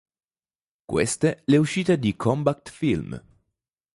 Queste le uscite di "Combat film.